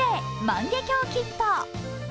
万華鏡キット」。